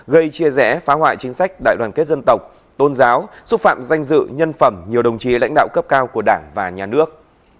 gây chia rẽ phá hoại chính sách đại đoàn kết dân tộc tôn giáo xúc phạm danh dự nhân phẩm nhiều đồng chí lãnh đạo cấp cao của đảng và nhà nước